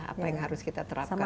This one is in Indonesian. apa yang harus kita terapkan